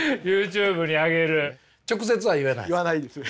直接は言えないですか？